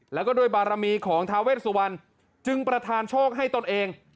แล้วก็ด้วยบารมีของทาเวชสุวรรณจึงประธานโชคให้ตนเอง